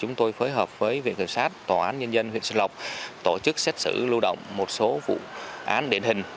chúng tôi phối hợp với viện kiểm sát tòa án nhân dân huyện xuân lộc tổ chức xét xử lưu động một số vụ án điển hình